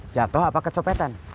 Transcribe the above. jatuh apa kecopetan